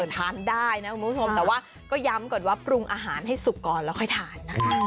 ทานได้นะคุณผู้ชม